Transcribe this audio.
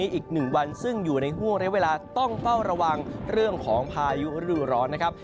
อีกหนึ่งวันซึ่งอยู่ในห่วงเรียกเวลาต้องเฝ้าระวังเรื่องของพายุฤดูร้อนนะครับ